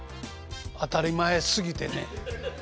当たり前すぎてね